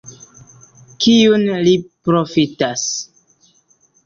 Kiun li profitas?